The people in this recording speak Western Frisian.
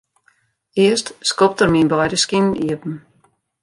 Earst skopt er myn beide skinen iepen.